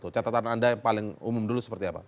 catatan anda yang paling umum dulu seperti apa